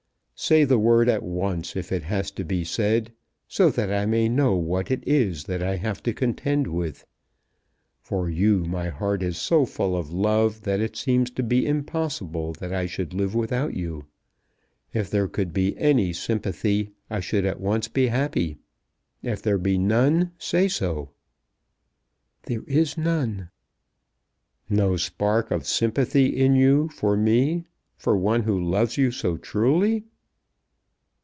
"Say the word at once if it has to be said, so that I may know what it is that I have to contend with. For you my heart is so full of love that it seems to be impossible that I should live without you. If there could be any sympathy I should at once be happy. If there be none, say so." "There is none." "No spark of sympathy in you for me, for one who loves you so truly?"